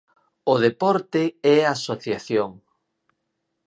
O deporte é asociación.